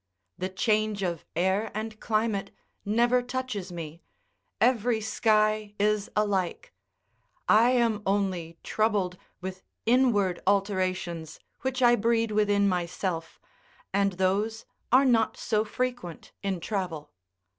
The change of air and climate never touches me; every sky is alike; I am only troubled with inward alterations which I breed within myself, and those are not so frequent in travel.